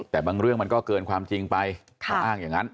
แต่บางเรื่องมันก็เกินความจริงไปเขาอ้างอย่างนั้น